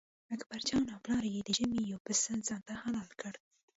اکبرجان او پلار یې د ژمي یو پسه ځانته حلال کړ.